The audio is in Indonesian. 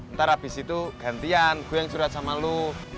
ntar abis itu gantian gue yang curhat sama lo